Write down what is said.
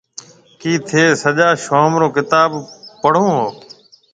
ڪِي ٿَي سجا شووم رو ڪتاب پڙهون هون؟